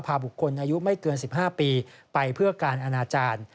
บุคคลอายุไม่เกิน๑๕ปีไปเพื่อการอนาจารย์